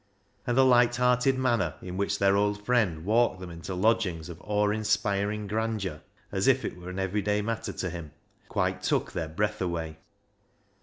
And the light hearted manner in which their old friend walked them into lodgings of awe inspiring grandeur, as if it were an everyday matter to him, quite took their breath away.